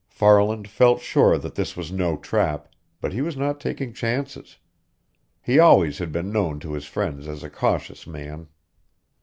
Farland felt sure that this was no trap, but he was not taking chances. He always had been known to his friends as a cautious man.